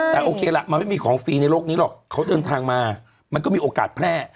แต่โอเคล่ะมันไม่มีของฟรีในโลกนี้หรอกเขาเดินทางมามันก็มีโอกาสแพร่